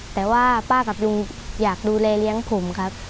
แต่ว่าป้ากับลุงอยากดูแลเลี้ยงผมครับ